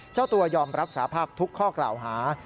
เจ้าตัวยอมรับสาภาพทุกข้อกล่าวหา